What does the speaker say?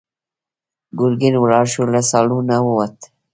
ګرګين ولاړ شو، له سالونه ووت.